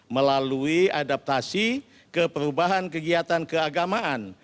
melalui adaptasi ke perubahan kegiatan keagamaan